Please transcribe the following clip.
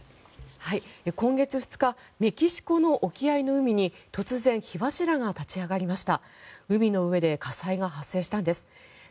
今月２日メキシコの沖合の海に突然、火柱が立ち上がりました。